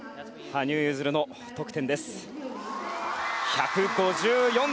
羽生結弦の得点です。